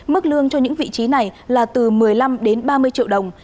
mức lương cho những vị trí này là từ một mươi năm đến ba mươi triệu đồng